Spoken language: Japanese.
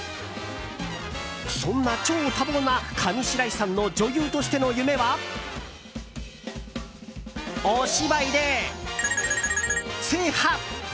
そんな超多忙な上白石さんの女優としての夢はお芝居で○○制覇！